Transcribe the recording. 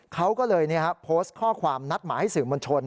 เขาก็เลยโพสต์ข้อความนัดหมายให้สื่อมวลชน